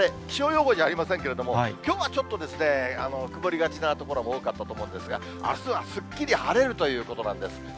気象予報じゃありませんけれども、きょうはちょっと曇りがちな所も多かったと思うんですが、あすはすっきり晴れるということなんです。